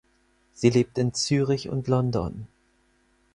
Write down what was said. Sie lebt in Zürich und London.